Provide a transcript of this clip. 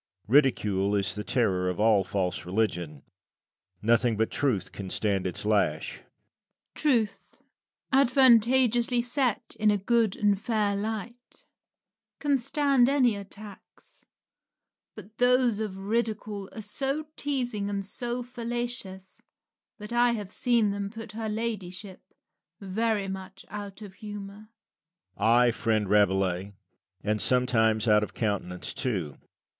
Ridicule is the terror of all false religion. Nothing but truth can stand its lash. Rabelais. Truth, advantageously set in a good and fair light, can stand any attacks; but those of Ridicule are so teasing and so fallacious that I have seen them put her ladyship very much out of humour. Lucian. Ay, friend Rabelais, and sometimes out of countenance too.